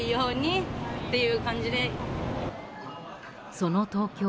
その東京